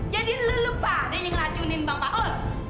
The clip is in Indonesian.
jadi lu lupa ada yang racuni bapak paul